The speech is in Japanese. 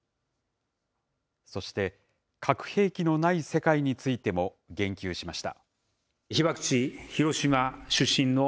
そして、核兵器のない世界についても言及しました。